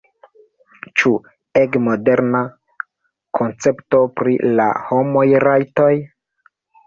Ĉu ege moderna koncepto pri la homaj rajtoj?